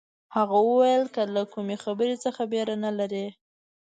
هغه وویل که له کومې خبرې څه بېره نه لرئ.